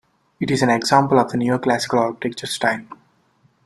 It is an example of the neoclassical architecture style.